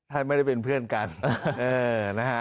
ท่านไม่ได้เป็นเพื่อนกันนะฮะ